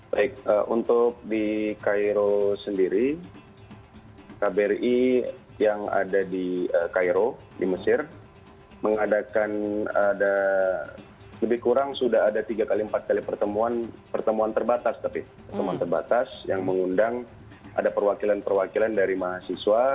baik untuk di cairo sendiri kbri yang ada di cairo di mesir mengadakan ada lebih kurang sudah ada tiga kali empat kali pertemuan pertemuan terbatas tapi pertemuan terbatas yang mengundang ada perwakilan perwakilan dari mahasiswa